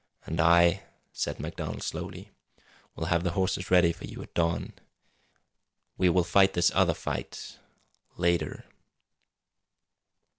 "And I," said MacDonald slowly, "will have the horses ready for you at dawn. We will fight this other fight later."